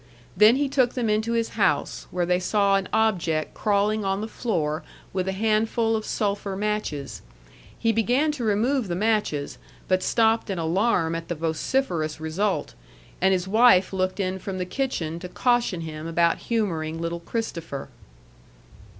Then he took them into his house, where they saw an object crawling on the floor with a handful of sulphur matches. He began to remove the matches, but stopped in alarm at the vociferous result; and his wife looked in from the kitchen to caution him about humoring little Christopher.